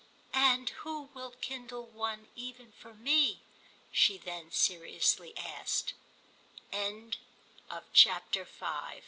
"And who will kindle one even for me?" she then seriously asked. CHAPTER VI.